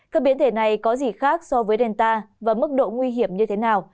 các biến thể này có gì khác so với delta và mức độ nguy hiểm như thế nào